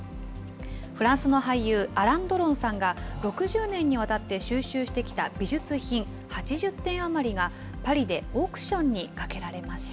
フランスの俳優、アラン・ドロンさんが、６０年にわたって収集してきた美術品８０点余りが、パリでオークションにかけられました。